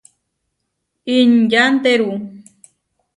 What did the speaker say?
Inyanteéru.